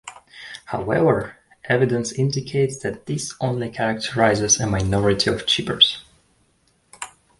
However, evidence indicates that this only characterizes a minority of chippers.